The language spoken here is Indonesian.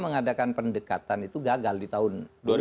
mengadakan pendekatan itu gagal di tahun